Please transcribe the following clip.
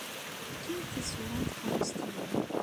Efk-iyi-d tisura n tkeṛṛust-nnem.